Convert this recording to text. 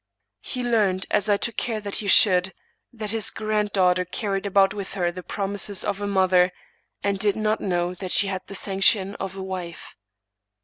He learned, as I took care that he should, that his grand daughter carried about with her the promises of a mother, and did not know that she had the sanction of a wife.